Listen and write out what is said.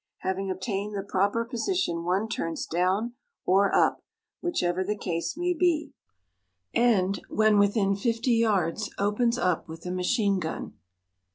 Having obtained the proper position one turns down or up, whichever the case may be, and, when within fifty yards, opens up with the machine gun.